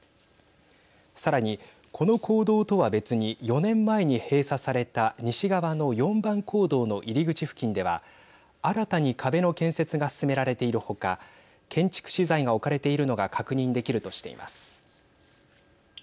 さらに、この坑道とは別に４年前に閉鎖された西側の４番坑道の入り口付近では新たに壁の建設が進められているほか建築資材が置かれているのが確認できるとしています。